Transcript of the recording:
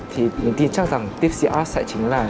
thì mình tin chắc rằng tipsy art sẽ chính là